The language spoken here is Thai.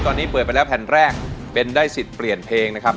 ตอนนี้เปิดไปแล้วแผ่นแรกเป็นได้สิทธิ์เปลี่ยนเพลงนะครับ